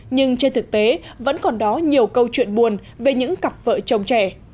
nhưng trên thực tế vẫn còn đó nhiều câu chuyện buồn về những cặp vợ chồng trẻ